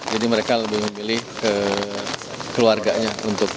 jadi mereka lebih memilih ke keluarganya